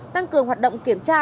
tăng cường hoạt động kiểm tra